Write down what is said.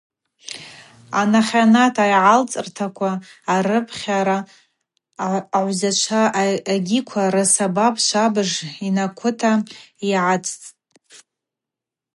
Анахьанат агӏалцӏыртаква – арыпхьара, агӏвзачва агьиква – рсабап швабыж йнакъвыта йгӏацӏцӏтӏ.